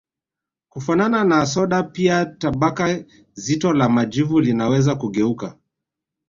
Kufanana na soda pia tabaka zito la majivu linaweza kugeuka